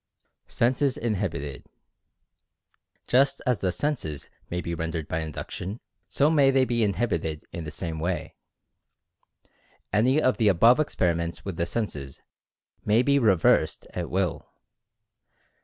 SENSES INHIBITED. Just as the senses may be rendered by induction, so may they be inhibited in the same way. Any of the above experiments with the senses may be reversed at Will.